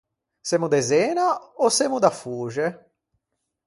Semmo de Zena ò semmo da Foxe?